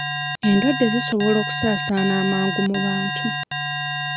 Endwadde zisobola okusaasaana amangu mu bantu